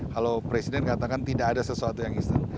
kalau presiden katakan tidak ada sesuatu yang instan